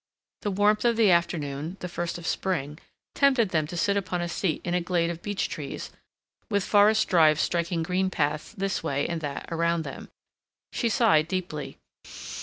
The warmth of the afternoon, the first of spring, tempted them to sit upon a seat in a glade of beech trees, with forest drives striking green paths this way and that around them. She sighed deeply.